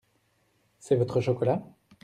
C’est votre chocolat ?